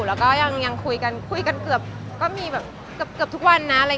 แล้วก็ยังคุยกันเกือบทุกวันนะ